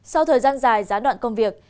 sau thời gian dài giá đoạn công việc